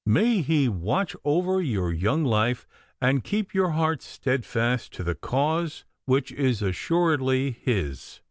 'May He watch over your young life, and keep your heart steadfast to the cause which is assuredly His!